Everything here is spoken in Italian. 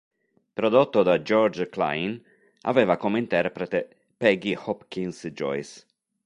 Prodotto da George Kleine, aveva come interprete Peggy Hopkins Joyce.